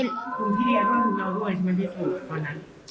ลุมพี่เดียวกับคนเก่าทุกวันใช่ไหมพี่โต